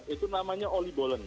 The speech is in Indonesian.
itu namanya olibolen